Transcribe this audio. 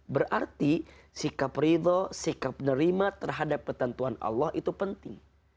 berarti sikap ridho sikap nerima terhadap ketentuan allah itu penting